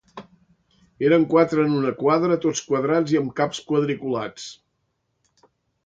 Eren quatre en una quadra, tots quadrats i amb caps quadriculats.